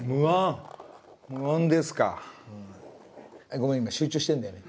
ごめん今集中してるんだよね。